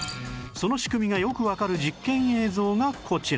その仕組みがよくわかる実験映像がこちら